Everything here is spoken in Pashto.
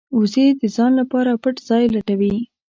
وزې د ځان لپاره پټ ځای لټوي